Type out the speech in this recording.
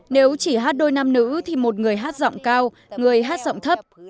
nếu chỉ hát đôi nam nữ thì một người hát giọng cao người hát giọng thấp